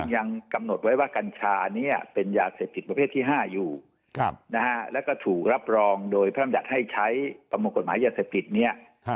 ยังกำหนดไว้ว่ากัญชานี้เป็นยาเสพติดประเภทที่๕อยู่นะฮะแล้วก็ถูกรับรองโดยพระรำจัดให้ใช้ประมวลกฎหมายยาเสพติดเนี่ย